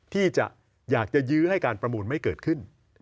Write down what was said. ที่จะอยากจะยื้อให้การประมูลไม่เกิดขึ้น